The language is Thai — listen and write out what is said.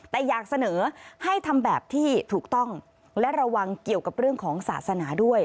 แต่อยากเสนอให้ทำแบบที่ถูกต้องและระวังเกี่ยวกับเรื่องของศาสนาด้วย